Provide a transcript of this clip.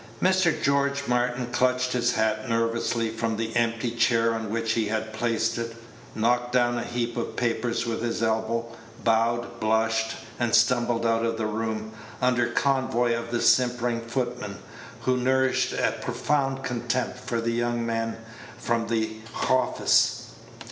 Mr. George Martin clutched his hat nervously from the empty chair on which he had placed it, knocked down a heap of papers with his elbow, bowed, blushed, and stumbled out of the room, under convoy of the simpering footman, who nourished a profound contempt for the young men from the h'office.